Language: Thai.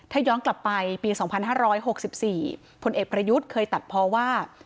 ถ้าย้อนกลับไปปี๒๕๖๔ผลเอกประยุทธ์เคยตัดพอว่า